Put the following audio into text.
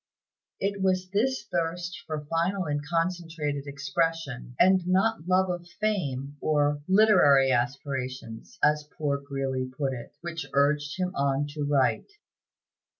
It was this thirst for final and concentrated expression, and not love of fame, or "literary aspirations," as poor Greeley put it, which urged him on to write.